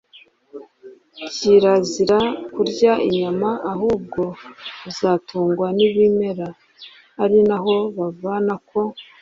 Kirazira kurya inyama ahubwo uzatungwa n’ibimera (ari naho bavana ko